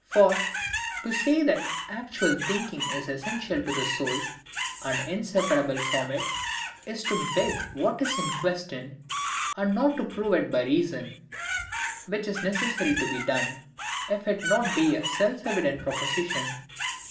For, to say that actual thinking is essential to the soul, and inseparable from it, is to beg what is in question, and not to prove it by reason;—which is necessary to be done, if it be not a self evident proposition.